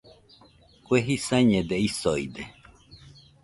Kue jisañede isoide